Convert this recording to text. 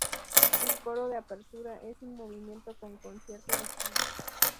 El coro de apertura es un movimiento de concierto distinto.